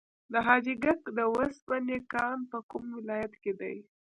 د حاجي ګک د وسپنې کان په کوم ولایت کې دی؟